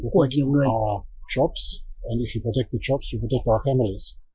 của nhiều người